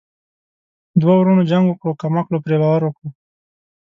دوه ورونو جنګ وکړو کم عقلو پري باور وکړو.